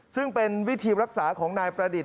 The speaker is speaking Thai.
ซึ่งเป็นวิธีรักษาของนายประดิษฐ